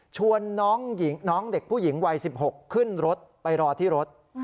ชวนน้องเด็กผู้หญิงวัย๑๖ขึ้นรถไปรอที่รถ